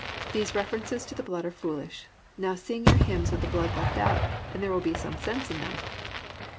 These references to the blood are foolish. Now sing your hymns with the blood left out and there will be some sense in them."